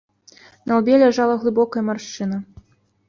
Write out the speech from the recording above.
На лбе ляжала глыбокая маршчына.